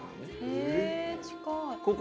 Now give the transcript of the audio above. へえ近い。